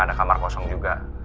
ada kamar kosong juga